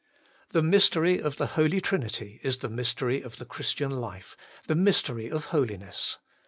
The mystery of the Holy Trinity is the mystery of the Christian life, the mystery of Holiness.